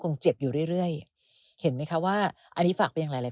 คงเจ็บอยู่เรื่อยเห็นไหมคะว่าอันนี้ฝากไปอย่างหลาย